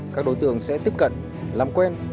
các đối tượng sẽ tiếp cận làm quen